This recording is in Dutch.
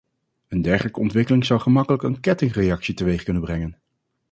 Een dergelijke ontwikkeling zou gemakkelijk een kettingreactie teweeg kunnen brengen.